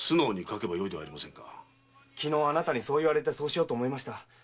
昨日あなたにそう言われてそうしようと思いました。